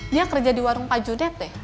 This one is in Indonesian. dia kerja di warung pajunet ya